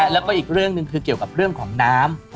แล้วก็อีกเรื่องหนึ่งคือเกี่ยวกับเรื่องของน้ำ